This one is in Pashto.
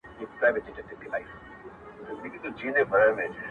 له آمو تر اباسینه وطن غواړو -